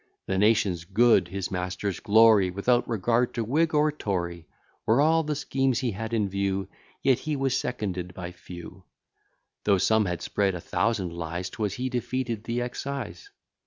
The nation's good, his master's glory, Without regard to Whig or Tory, Were all the schemes he had in view, Yet he was seconded by few: Though some had spread a thousand lies, 'Twas he defeated the excise.